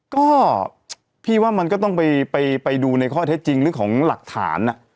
ก็พี่ว่ามันก็ต้องไปดูในข้อเท็จจริงเรื่องของหลักฐาน